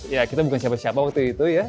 ya kita bukan siapa siapa waktu itu ya